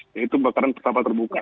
yaitu bakaran tanpa terbuka